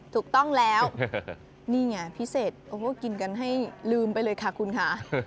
ถูกต้องแล้วนี่ไงพิเศษโอ้โหกินกันให้ลืมไปเลยค่ะคุณค่ะ